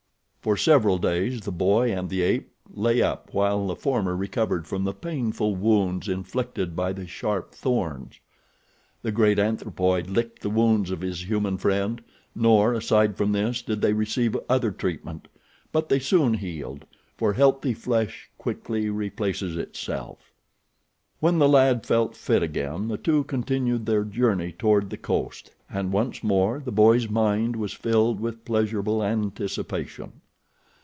For several days the boy and the ape lay up while the former recovered from the painful wounds inflicted by the sharp thorns. The great anthropoid licked the wounds of his human friend, nor, aside from this, did they receive other treatment, but they soon healed, for healthy flesh quickly replaces itself. When the lad felt fit again the two continued their journey toward the coast, and once more the boy's mind was filled with pleasurable anticipation.